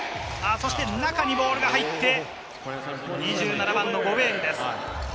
中にボールが入って、２７番のゴベールです。